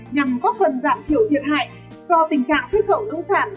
nhằm góp phần giảm thiểu thiệt hại do tình trạng xuất khẩu nông sản